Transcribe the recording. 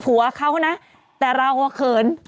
ผัวเขานะแต่เราเขิน